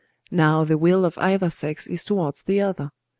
Now the will of either sex is towards the other.